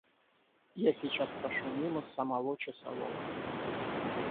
Я сейчас прошел мимо самого часового.